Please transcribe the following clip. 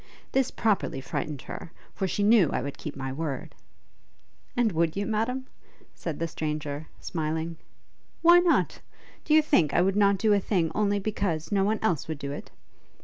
This properly frightened her; for she knew I would keep my word.' 'And would you, Madam?' said the stranger, smiling. 'Why not? Do you think I would not do a thing only because no one else would do it?